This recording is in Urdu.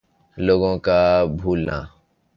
لوگوں کا بھولنا